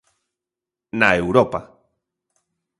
Na Europa.